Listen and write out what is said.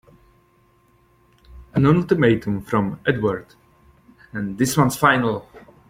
An ultimatum from Edward and this one's final!